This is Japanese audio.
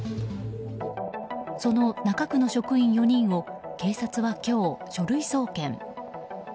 その中区の職員４人を警察は今日、書類送検。